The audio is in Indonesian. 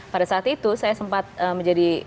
pada saat itu saya sempat menjadi